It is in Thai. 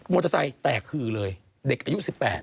เตอร์ไซค์แตกฮือเลยเด็กอายุ๑๘